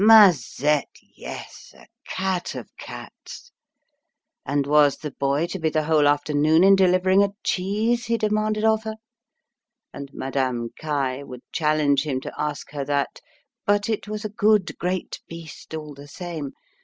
Mazette, yes! A cat of cats! And was the boy to be the whole afternoon in delivering a cheese, he demanded of her? And Madame Caille would challenge him to ask her that but it was a good, great beast all the same!